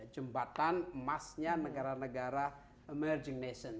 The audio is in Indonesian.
jembatan emasnya negara negara emerging nation